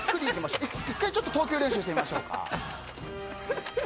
１回、投球練習してみましょうか。